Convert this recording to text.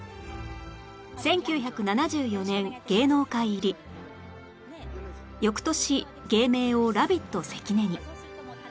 １９７４年芸能界入り翌年芸名を「ラビット関根」に